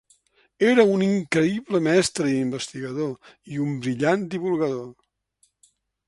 Era un increïble mestre i investigador, i un brillant divulgador.